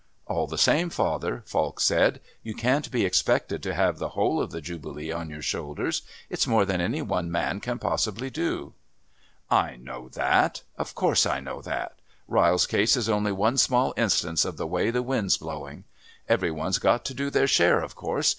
"All the same, father," Falk said, "you can't be expected to have the whole of the Jubilee on your shoulders. It's more than any one man can possibly do." "I know that. Of course I know that. Ryle's case is only one small instance of the way the wind's blowing. Every one's got to do their share, of course.